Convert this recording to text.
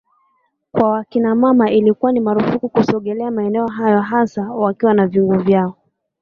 kwa wakinamama ilikuwa ni marufuku kusogelea maeneo hayo hasa wakiwa na vyungu vyao